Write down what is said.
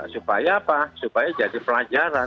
supaya apa supaya jadi pelajaran